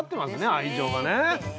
愛情がね。